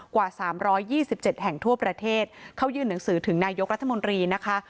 กว่า๓๒๗แห่งทั่วประเทศเข้ายื่นหนังสือถึงนายกรัฐมนตรีนะคะ